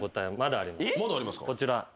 こちら。